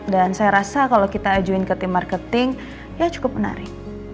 dan saya rasa kalau kita ajuin ke tim marketing ya cukup menarik